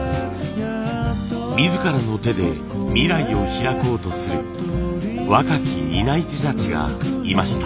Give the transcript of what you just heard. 自らの手で未来をひらこうとする若き担い手たちがいました。